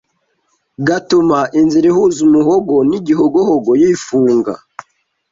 gatuma inzira ihuza umuhogo n’igihogohogo yifunga